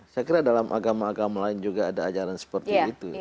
saya kira dalam agama agama lain juga ada ajaran seperti itu